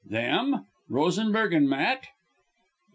"Them! Rosenberg and Matt!"